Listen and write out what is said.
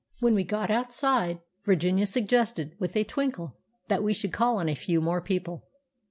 When we got outside, Virginia suggested with a twinkle that we should call on a few more people.